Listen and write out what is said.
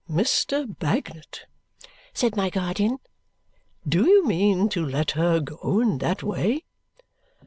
"Mr. Bagnet," said my guardian. "Do you mean to let her go in that way?"